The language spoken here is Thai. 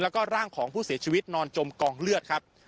แล้วก็ร่างของผู้เสียชีวิตนอนจมกองเลือดครับ